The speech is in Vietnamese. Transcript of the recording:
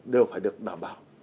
đều phải được đảm bảo